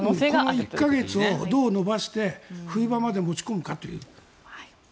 この１か月をどう延ばして冬場まで持ち込むかという。